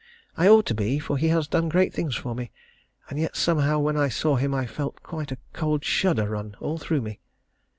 I ought to be, for he has done great things for me; and yet somehow when I saw him, I felt quite a cold shudder run all through me.